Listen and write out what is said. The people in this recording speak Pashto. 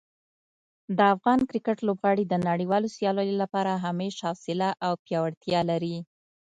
د افغان کرکټ لوبغاړي د نړیوالو سیالیو لپاره همیش حوصله او پیاوړتیا لري.